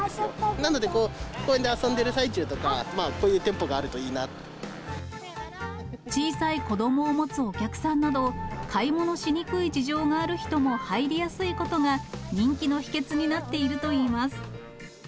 なので公園で遊んでる最中とか、小さい子どもを持つお客さんなど、買い物しにくい事情がある人も入りやすいことが、人気の秘けつになっているといいます。